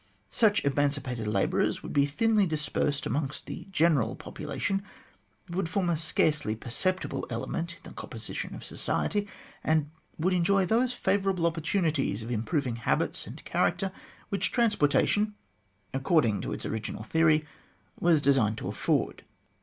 Such emancipated labourers would be thinly dispersed amongst the general population, would form a scarcely perceptible element in the composition of society, and would enjoy those favourable opportunities of improving habits and character which transportation, accord ing to its original theory, was designed to afford.